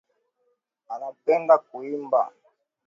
Anapenda kuimba.